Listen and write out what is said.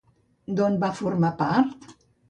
D'on va formar part?